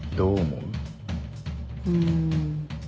うん。